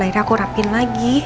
akhirnya aku rapin lagi